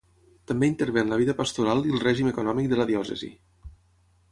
També intervé en la vida pastoral i el règim econòmic de la diòcesi.